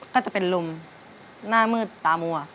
ก็จะเป็นลมหน้ามืดตามัว